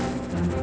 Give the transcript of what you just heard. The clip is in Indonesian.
seperti dugaan kue